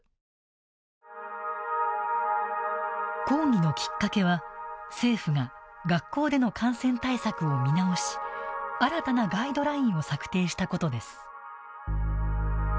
抗議のきっかけは政府が学校での感染対策を見直し新たなガイドラインを策定したことです。